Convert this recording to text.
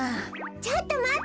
ちょっとまって！